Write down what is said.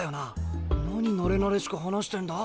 何なれなれしく話してんだ？